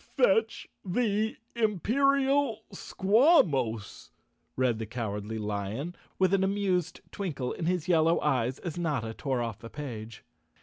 "Fetch the Imperial Squawmos," read the Cowardly Lion, with an amused twinkle in his yellow eyes as Notta tore off the page.